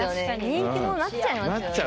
人気者になっちゃいますよね。